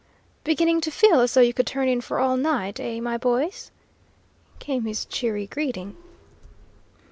"Beginning to feel as though you could turn in for all night, eh, my boys?" came his cheery greeting.